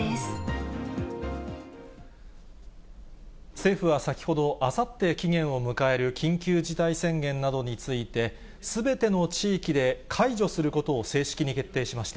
政府は先ほど、あさって期限を迎える緊急事態宣言などについて、すべての地域で解除することを正式に決定しました。